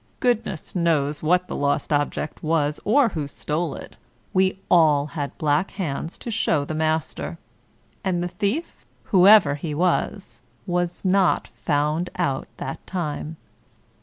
Goodness knows what the lost object was, or who stole it. We all had black hands to show the master. And the thief, whoever he was, was not Found Out that time.